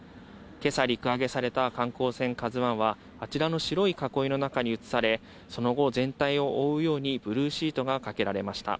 けさ、陸揚げされた観光船ＫＡＺＵＩは、あちらの白い囲いの中に移され、その後、全体を覆うようにブルーシートがかけられました。